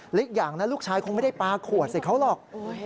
อีกอย่างนะลูกชายคงไม่ได้ปลาขวดใส่เขาหรอก